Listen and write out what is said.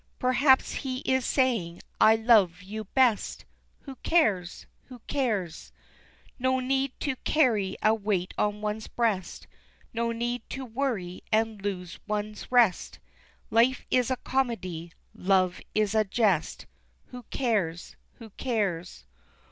Perhaps he is saying, "I love you best!" Who cares? Who cares? No need to carry a weight on one's breast, No need to worry and lose one's rest, Life is a comedy, love is a jest, Who cares? Who cares?